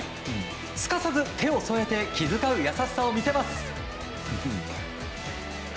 すかさず、手を添えて気遣う優しさを見せます。